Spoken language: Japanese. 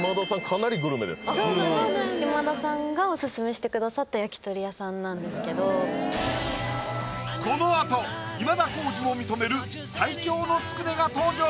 かなりグルメですから今田さんがオススメしてくださった焼き鳥屋さんなんですけどこのあと今田耕司も認める最強のつくねが登場！